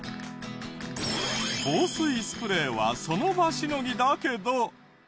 防水スプレーはその場しのぎだけど。